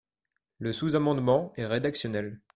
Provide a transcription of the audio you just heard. Le sous-amendement est rédactionnel.